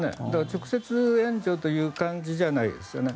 直接、援助という感じではないですよね。